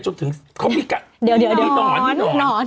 จนถึงดินอน